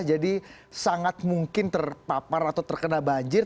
jadi sangat mungkin terpapar atau terkena banjir